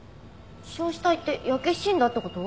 焼死体って焼け死んだって事？